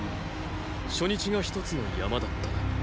初日が一つの山だったな。